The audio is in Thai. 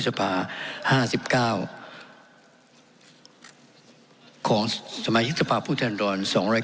สภาห้าสิบเก้าของสมาชิกสภาพผู้แทนรดรสองร้อย